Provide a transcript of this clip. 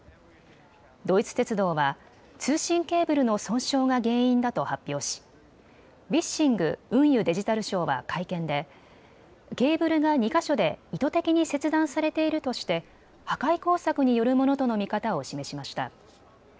ドイツ鉄道は通信ケーブルの損傷が原因だと発表し、ウィッシング運輸・デジタル相は会見でケーブルが２か所で意図的に切断されているとして破壊工作によるものとの見方を示しました。